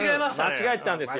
間違えてたんですよ。